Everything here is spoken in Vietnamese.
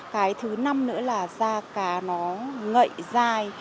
cái thứ năm nữa là da cá nó ngậy dai